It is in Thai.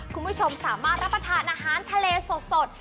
คุณผู้ชมสามารถรับประทานอาหารทะเลสด